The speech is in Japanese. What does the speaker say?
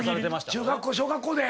中学校小学校で。